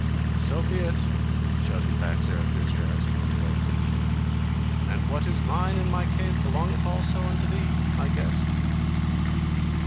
"So be it!" shouted back Zarathustra, as he went away: "and what is mine in my cave belongeth also unto thee, my guest!